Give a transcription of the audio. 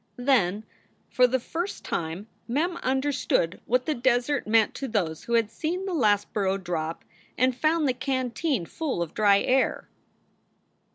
Then for the first time Mem understood what the desert meant to those who had seen the last burro drop and found the canteen full of dry air.